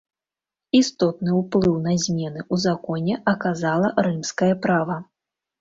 Істотны ўплыў на змены ў законе аказала рымскае права.